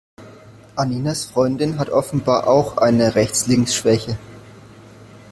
Anninas Freundin hat offenbar auch eine Rechts-links-Schwäche.